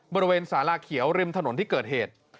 บริเวณสาราเขียวริมถนนที่เกิดเหตุ